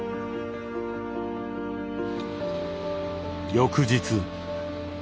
翌日。